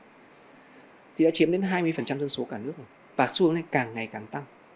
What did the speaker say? hà nội đã chiếm đến hai mươi dân số cả nước và xu hướng này càng ngày càng tăng